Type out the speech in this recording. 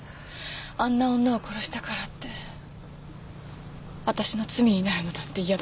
あんな女を殺したからってわたしの罪になるのなんて嫌だった。